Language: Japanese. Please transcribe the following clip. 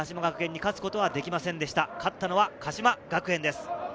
勝ったのは鹿島学園です。